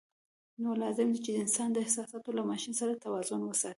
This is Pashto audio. نو لازم ده چې د انسان احساسات له ماشین سره توازن وساتي.